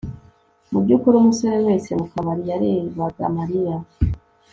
mubyukuri umusore wese mukabari yarebaga mariya